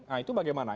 nah itu bagaimana